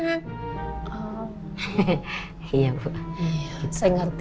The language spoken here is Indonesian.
kek khawatir ini itu